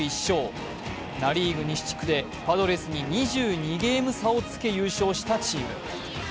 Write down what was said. ナ・リーグ西地区でパドレスに２２ゲーム差をつけ優勝したチーム。